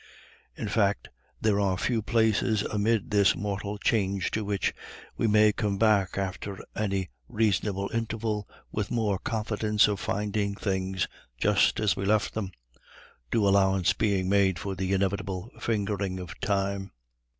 In fact, there are few places amid this mortal change to which we may come back after any reasonable interval with more confidence of finding things just as we left them, due allowance being made for the inevitable fingering of Time.